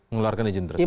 ngeluarkan izin tersidang